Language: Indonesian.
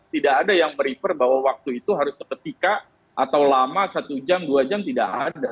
tidak ada yang beriper bahwa waktu itu harus seketika atau lama satu jam dua jam tidak ada